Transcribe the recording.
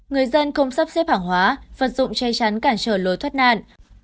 người dân không sắp xếp hàng hóa vật dụng che chắn cản trở lối thoát nạn